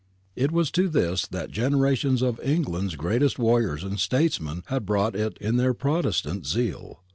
It was to this that generations of England's greatest warriors and statesmen had brought it in their Protestant zeal.